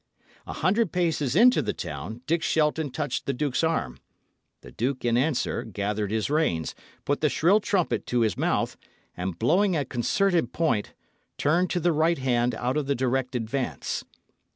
A hundred paces into the town, Dick Shelton touched the duke's arm; the duke, in answer, gathered his reins, put the shrill trumpet to his mouth, and blowing a concerted point, turned to the right hand out of the direct advance.